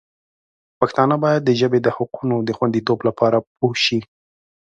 پښتانه باید د ژبې د حقونو د خوندیتوب لپاره پوه شي.